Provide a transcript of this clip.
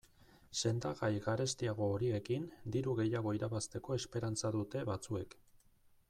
Sendagai garestiago horiekin diru gehiago irabazteko esperantza dute batzuek.